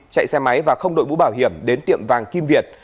chạy xe máy và không đội mũ bảo hiểm đến tiệm vàng kim việt